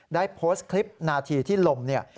ได้โพสต์คลิปนาทีที่ลมเนี่ย